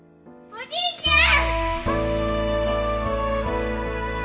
おじいちゃん！